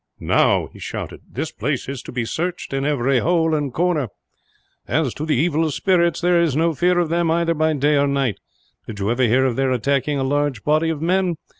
"Now," he shouted, "this place is to be searched, in every hole and corner. "As to the evil spirits, there is no fear of them, either by day or night. Did you ever hear of their attacking a large body of men?